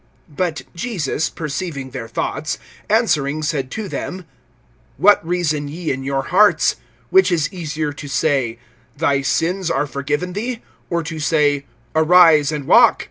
(22)But Jesus, perceiving their thoughts, answering said to them: What reason ye in your hearts? (23)Which is easier, to say, Thy sins are forgiven thee; or to say, Arise and walk?